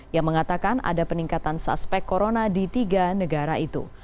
yang mengatakan ada peningkatan suspek corona di tiga negara itu